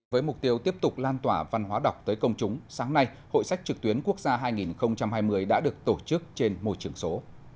với mục tiêu tiếp tục lan tỏa văn hóa đọc tới công chúng sáng nay hội sách trực tuyến quốc gia hai nghìn hai mươi đã được tổ chức trên môi trường số